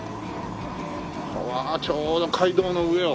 わあちょうど街道の上を。